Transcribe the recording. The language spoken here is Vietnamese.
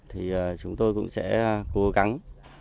thì chúng tôi cũng sẽ cố gắng